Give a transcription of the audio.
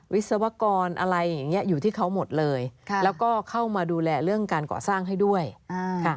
วิศวกรอะไรอย่างเงี้ยอยู่ที่เขาหมดเลยแล้วก็เข้ามาดูแลเรื่องการก่อสร้างให้ด้วยค่ะ